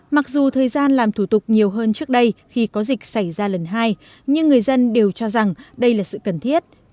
mặc dù thời gian làm thủ tục nhiều hơn trước đây khi có dịch xảy ra lần hai nhưng người dân đều cho rằng đây là sự cần thiết